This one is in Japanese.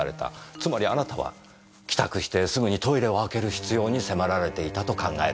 つまりあなたは帰宅してすぐにトイレを開ける必要に迫られていたと考えられます。